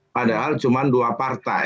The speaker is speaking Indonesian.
padahal cuma dua partai